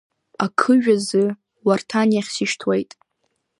Ақыжә азы Уарҭан иахь сишьҭуеит.